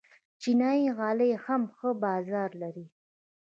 چینايي غالۍ هم ښه بازار لري.